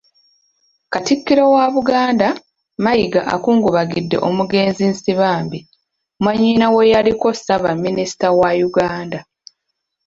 Katikkiro wa Buganda, Mayiga, akungubagidde omugenzi Nsibambi, mwannyina w'eyaliko Ssaabaminisita wa Uganda.